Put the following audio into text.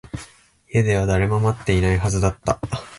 家では誰も待っていないはずだった